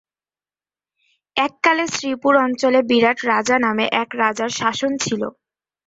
এককালে শ্রীপুর অঞ্চলে বিরাট রাজা নামে এক রাজার শাসন ছিল।